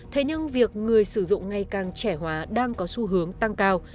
thế nhưng việc người sử dụng ngày càng trẻ hóa đang có xu hướng tăng cao